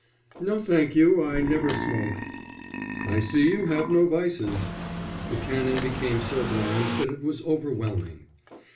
"No, thank you. I never smoke." "I see you have no vices." The Canon became so bland that it was overwhelming.